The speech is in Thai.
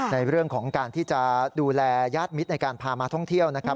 ในเรื่องของการที่จะดูแลญาติมิตรในการพามาท่องเที่ยวนะครับ